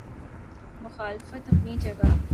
مخالفت اپنی جگہ۔